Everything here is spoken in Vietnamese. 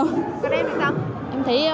còn em thì sao